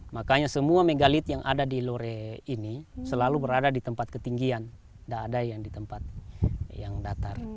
makanya semua megalit yang ada di lore ini selalu berada di tempat ketinggian tidak ada yang di tempat yang datar